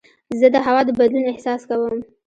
زه د هوا د بدلون احساس کوم.